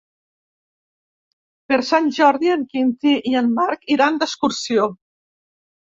Per Sant Jordi en Quintí i en Marc iran d'excursió.